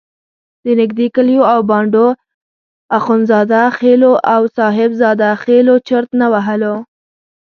د نږدې کلیو او بانډو اخندزاده خېلو او صاحب زاده خېلو چرت نه وهلو.